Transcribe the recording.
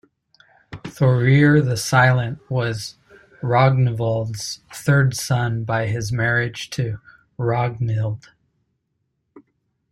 Thorir the Silent was Rognvald's third son by his marriage to Ragnhild.